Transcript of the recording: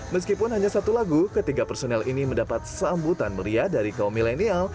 meskipun hanya satu lagu ketiga personel ini mendapat sambutan meriah dari kaum milenial